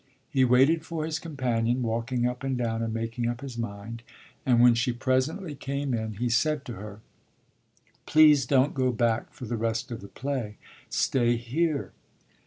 He waited for his companion, walking up and down and making up his mind; and when she presently came in he said to her: "Please don't go back for the rest of the play. Stay here."